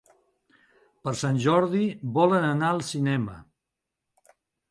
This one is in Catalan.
Per Sant Jordi volen anar al cinema.